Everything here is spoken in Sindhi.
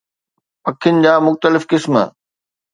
پکين جا مختلف قسم